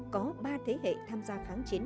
có ba thế hệ tham gia kháng chiến